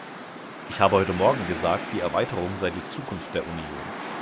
Ich habe heute Morgen gesagt, die Erweiterung sei die Zukunft der Union.